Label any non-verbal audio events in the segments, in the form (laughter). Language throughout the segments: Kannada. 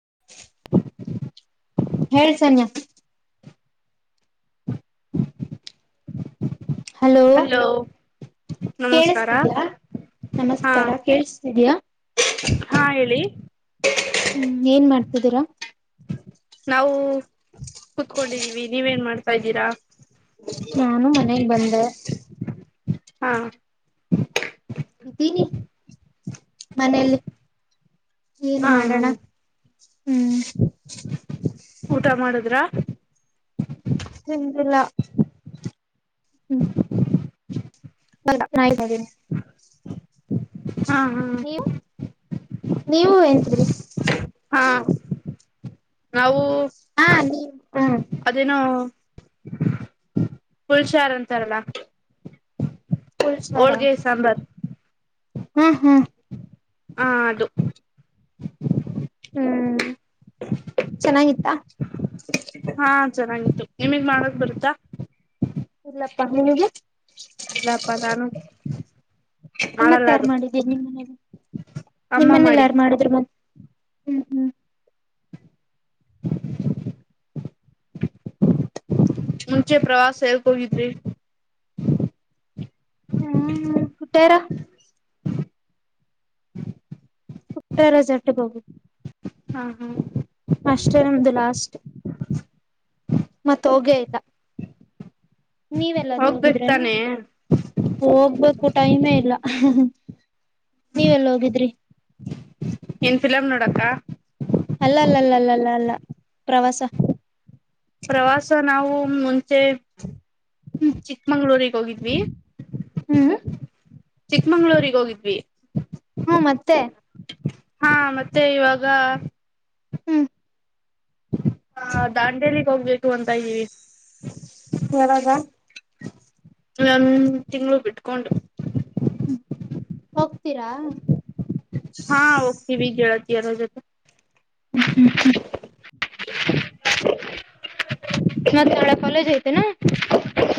(unintelligible) ಹರಿಸನ್ಯ ಹಲೋ ನಮಸ್ಕಾರ ಕೇಳಿಸತಿದ್ಯಾ ಹಾ ನಮಸ್ಕಾರ ಕೇಳಿಸತಿದ್ಯಾ ಹಾ ಹೇಳಿ ಹ್ಮ್ ಏನ್ ಮಾಡ್ತಿದ್ದೀರಾ ನಾವು ಕುತ್ಕೊಂಡಿದ್ದೀವಿ ನೀವೇನ್ ಮಾಡ್ತಾ ಇದ್ದೀರಾ? ಹ್ಮ ಹಾ ಇದ್ದೀನಿ ಮನೆಯಲ್ಲಿ ಏನ್ ಹಾ ಹಾ ಮಾಡೋಣ ಹ್ಮ್ ಊಟ ಮಾಡುದ್ರ ತಿಂದಿಲ್ಲ ನ ಹಾ ಹಾ ಹಾ ಅ ನಾವು ಹಾ ನೀ ಹ ಕುುಲ್ಷಾರ್ ಅಂತಾರಲ್ಲ ಹೋಳ್ಗೆ ಸಾಂಬಾರ್ ಹ್ಮ್ ಹ್ಮ್ ಹಾ ಅದು ಹ್ಮ್ ಚೆನ್ನಾಗಿತ್ತಾ ಹಾ ಚೆನ್ನಾಗಿತ್ತು ನಿಮಗ್ ಮಾಡದ ಬರ್ತ್ತಾ ಇಲ್ಲಪ್ಪಾ ನೀವು ಇಲ್ಲಪ್ಪ ತಾನು ನಿ ಮತ್ತೆ ಯಾರು ಮಾಡಿದ್ದೀ ನಿಮ್ಮ ಮನೇಲಿ ಅಮ್ಮ ನಿಮ್ಮನೇಲಿ ಯಾರು ಮಾಡಿದ್ದು ಮಾಡಿದ್ರು ಮತ್ತೆ ಹ್ಮ್ ಹ್ಮ್ ಮುಂಚೆ ಪ್ರವಾಸ ಹೇಳ್ಕೋಗಿದ್ರಿ ಹ್ಮ್ ಕುಟ್ಟಾರ ಕುಟ್ಟಾರ ಜಟ ಬ ಹಾ ಹಾ ಸ್ರಮ ದ ಲಾಸ್ಟ್ ಮತ್ತೋಗೆ ಇಗ ನೀವೆಲ್ಲಾದ್ರೂ ಹೋಗ್ಬೇಕ್ ಹೋಗಿದ್ರನು ತಾನೆ ಹೋಗ್ಬೇಕ ಟೈಮೇ ಇಲ್ಲ ನೀವೆಲ್ಲ ಹೋಗಿದ್ರಿ ಏನ್ ಫಿಲಮ್ ನೋಡಕ್ಕ ಅಲ್ಲ ಅಲ್ಲ ಅಲ್ಲ ಅಲ್ಲ ಅಲ್ಲ ಅಲ್ಲ ಪ್ರವಾಸ ನಾವುಂ ಮತ್ತೆ ಚಿಕ್ಕಮಂಗ್ಗಳೂರಿಗೆ ಹೋಗಿದ್ವಿ ಹ್ಮ್ ಚಿಕ್ಮಂಗ್ಗಳೂರ್ರಿಗೆ ಹೋಗಿದ್ವಿ ಹ್ಮ ಮತ್ತೆ ಹಾ ಮತ್ತೆ ಇವಾಗ ಹ್ಮ ಹ ದಾಂಡೇಲಿಗ್ ಹೋಗ್ಬೇಕು ಅಂತ ಇದೀವಿ ಯಾವಾಗ ಒಂದ ತಿಂಗಗಳು ಬಿಟ್ಕೊಂಡು ಹ್ಮ ಹೋಗ್ತೀರಾ ಹಾ ಹೋಗ್ತಿವಿ ಜಳತಿಯರ ಜೊತೆ ಹ್ಮ ಹ್ಮ ಮತ್ತೆ ಒಳ ಕಲೇಜ್ ಹಐತೆ ನ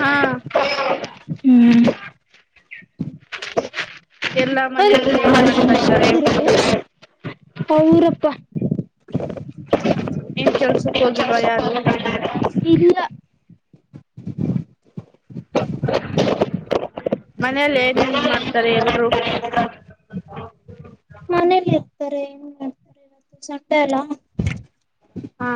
ಹಾ ಹ್ಮ್ ಎಲ್ಲಾ ಮನೆಯಲ್ಲಿ ಏನ್ ಮಾಡ್ತಾ ಇದ್ದಾರೆ ರಪ್ಪ ಏನ್ ಕೆಲ್ಸಕ್ ಹೋಗಿಲ್ವಾ ಯಾರು ಇಲ್ಲ ಮನೇೆಯಲ್ಲಿ ಏನೇನ್ ಮಾಡ್ತಾರೆ ಎಲ್ರು ಮನೇಲಿ ಇರ್ತಾರೆ ಏನ್ ಮಾಡ್ತಾರೆ ಇವತ್ತು ಸಟೆ ಅಲ್ಲ ಹಾ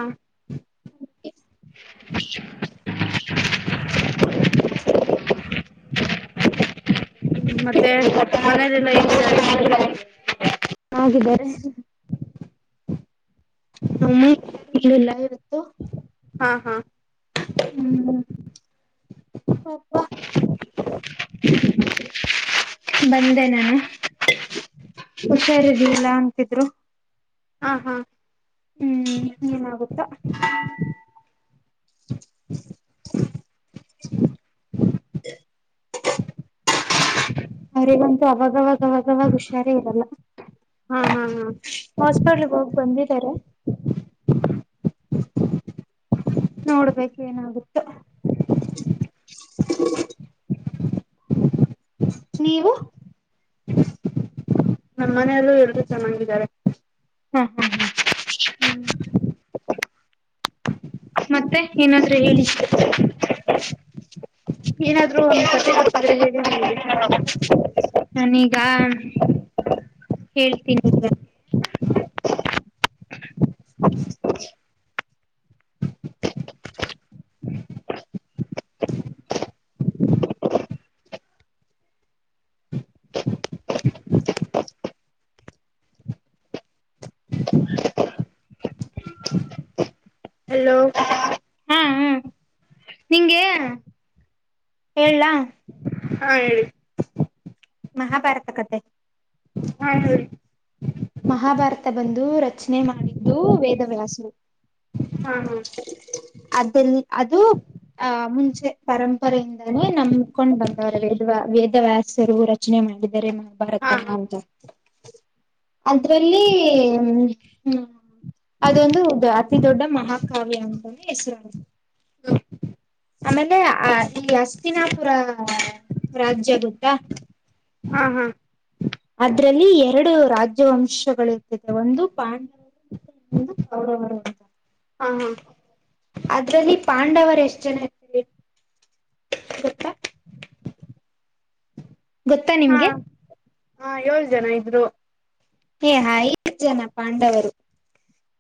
ಹ್ಮ್ ಮತ್ತೆ ಮನೆಯಲೆಲ್ಲ ಹೆಂಗಿದ್ದಾರೆ ಹಾಗಿದ್ದಾರೆ ನಮ್ಮ (unintelligible) ಇರುತ್ತ ಹಾ ಹಾ ಹ್ಮ್ (unintelligible) ಬಂದಿದನಾ ಹುಷಾರಿರ್ಲಿಲ್ಲ ಅಂತಿದ್ರು ಹಾ ಹಾ ಹ್ಮ್ ಏನಾಗುತೋ (unintelligible) (unintelligible) ಅವರಿಗಂತೂ ಅವಾಗವಾಗವಾಗವಾಗ ಹುಷಾರಿ ಇರಲ್ಲ ಹಾ ಹಾ ಹಾ ಹಾಸ್ಪಿಟ್ಲ್ಗೆ ಹೋಗಿ ಬಂದಿದ್ದಾರೆ ನೋಡ್ಬೇಕು ಏನಾಗುತ್ತೋ ನೀವು ನಮ್ಮ್ ಮನೆಯಲ್ಲೂ ಎಲ್ರು ಚೆನ್ನಾಗಿದ್ದಾರೆ ಹ ಹ ಹ್ಮ್ ಹ್ಮ್ ಮತ್ತೆ ಏನಾದ್ರೂ ಹೇಳಿ ಏನಾದ್ರೂ ಒಂದ ಕತೆ ಗೊತ್ತಿದ್ರೆ ಹೇಳಿ ನಿಮಗೆ ನಾನೀಗ ಹೇಳ್ತೀನಿ ಇರು (unintelligible) ಹಲೋ ಹಾ ಹಾ ಹೇಳ್ಲ ಹಾ ಹೇಳಿ ಮಹಾಭಾರತ ಕಥೆ ಹಾ ಹೇಳು ಮಹಾಭಾರತ ಬಂದು ರಚನೆ ಮಾಡಿದ್ದು ವೇದವ್ಯಾಸರು ಹಾ ಹಾ (unintelligible) ಅದು ಆ ಮುಂಚೆ ಪರಂಪರೆಯಿಂದಾನೇ ನಂಬಕೊಂಡು ಬಂದ ವೇದ ವೇದವ್ಯಾಸರು ರಚನೆ ಮಾಡಿದ್ದಾರೆ ಹಾ ಮಹಾಭಾರತನ ಹಾ ಅಂತ ಅದ್ರಲ್ಲಿ ಹ್ಮ ಅದೊಂದು ಅತಿ ದೊಡ್ಡ ಮಹಾಕಾವ್ಯ ಅಂತಾನೆ ಹೆಸರು ಹ್ಮ ಆಮೇಲೆ ಅ ಈ ಹಸ್ತಿನಾಪುರ ರಾಜ್ಯ ಗೋತ ಹಾ ಹಾ ಅದ್ರಲ್ಲಿ ಎರಡು ರಾಜ್ಯವಂಶ (unintelligible) ಒಂದು ಪಾಂಡವರು (unintelligible) ಒಂದು ಕೌರವರು ಅಂತ ಹಾ ಹಾ ಅದ್ರಲ್ಲಿ ಪಾಂಡವರ್ ಎಷ್ಟ್ ಜನ ಇರ್ತಾರೆ ಗೊತ್ತ ಗೊತ್ತಾ ಹಾ ನಿಮ್ಗೆ ಹಾ ಏಳು ಜನ ಇದ್ರು ಹೇ ಐದು ಜನ ಪಾಂಡವರು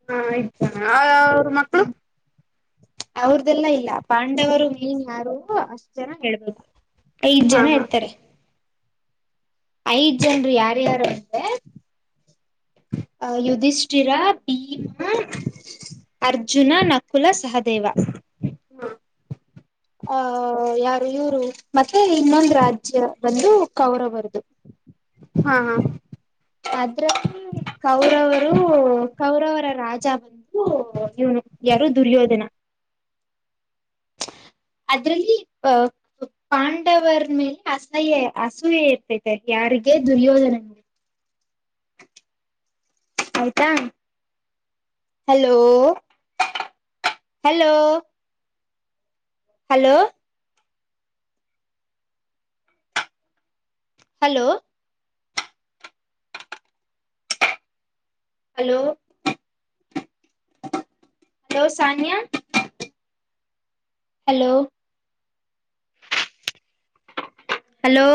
ಹಾ ಇತ ಅವ್ರ ಮಕ್ಳು ಅವ್ರದೆಲ್ಲ ಇಲ್ಲ ಪಾಂಡವರು ಮೈನ್ ಯಾರು ಅಷ್ಟ ಜನ ಹೇಳ್ಬೇಕು ಐದ್ ಹಾ ಜನ ಹಾ ಇರ್ತಾರೆ ಐದ್ ಜನ್ರು ಯಾರ್ಯಾರು ಅಂತೇ ಅ ಯುಧಿಷ್ಠಿರ ಭೀಮಾ ಅರ್ಜುನ ನಕುಲ ಸಹದೇವ ದೇವ ಹ ಯಾರು ಇವರು ಮತ್ತೆ ಇನ್ನೊಂದು ರಾಜ್ಯ ಬಂದು ಕೌರವರದು ಹಾ ಅದ್ರಲ್ಲಿ ಕೌರವರು ಕೌರವರ ರಾಜ ಬಂದು ಇವನು ಯಾರೋ ದುರ್ಯೋಧನ (unintelligible) ಅದ್ರಲ್ಲಿ ಅ ಪಾಂಡವರ ಮೇಲೆ ಅಸಹ್ಯ ಅಸೂರ್ಯ ಇರ್ತೈತೆ ಯ (unintelligible) ಯಾರಿಗೆ ದುರ್ಯೋಧನ (inaudible) ಆಯ್ತಾ hello hello hello hello hello hello Sania hello hello